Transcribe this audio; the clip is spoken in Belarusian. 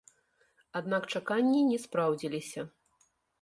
Аднак чаканні не спраўдзіліся.